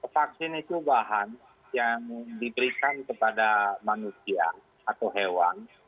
vaksin itu bahan yang diberikan kepada manusia atau hewan